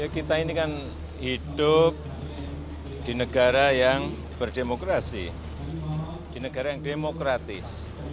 kita ini kan hidup di negara yang berdemokrasi di negara yang demokratis